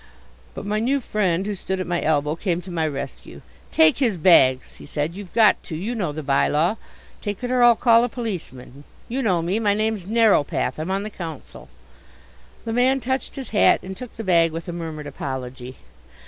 But my new friend, who stood at my elbow, came to my rescue. "Take his bags," he said, "you've got to. You know the by law. Take it or I'll call a policeman. You know me. My name's Narrowpath. I'm on the council." The man touched his hat and took the bag with a murmured apology.